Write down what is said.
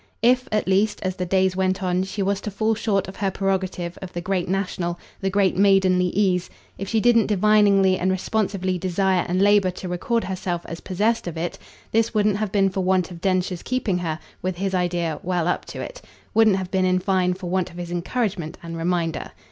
If, at least, as the days went on, she was to fall short of her prerogative of the great national, the great maidenly ease, if she didn't diviningly and responsively desire and labour to record herself as possessed of it, this wouldn't have been for want of Densher's keeping her, with his idea, well up to it wouldn't have been in fine for want of his encouragement and reminder.